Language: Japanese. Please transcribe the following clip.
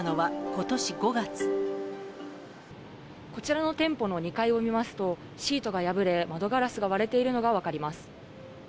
こちらの店舗の２階を見ますと、シートが破れ、窓ガラスが割れているのが分かります。